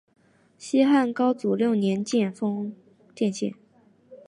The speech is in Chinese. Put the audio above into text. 西汉高祖六年建县。